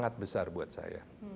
sangat besar buat saya